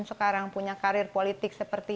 sekarang punya karir politik seperti